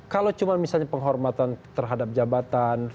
kalau cuma misalnya penghormatan terhadap jabatan